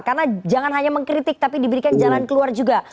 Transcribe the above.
karena jangan hanya mengkritik tapi diberikan jalan keluar juga